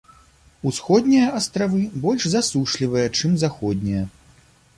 Усходнія астравы больш засушлівыя, чым заходнія.